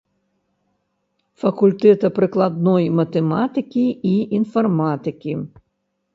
Факультэта прыкладной матэматыкі і інфарматыкі.